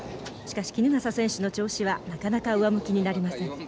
しかし衣笠選手の調子はなかなか上向きになりません。